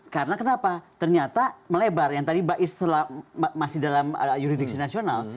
karena kenapa ternyata melebar yang tadi ba'is masih dalam yuridiksi nasional